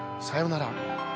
さよなら。